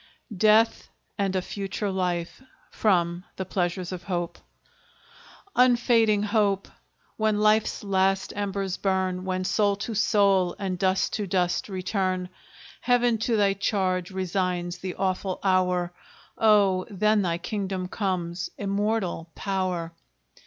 DEATH AND A FUTURE LIFE From the 'Pleasures of Hope' Unfading Hope! when life's last embers burn, When soul to soul, and dust to dust return! Heaven to thy charge resigns the awful hour. Oh, then thy kingdom comes! Immortal Power!